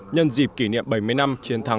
nhân dịp kỷ niệm bảy mươi năm chiến thắng